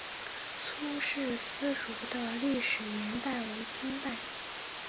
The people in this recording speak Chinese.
苏氏私塾的历史年代为清代。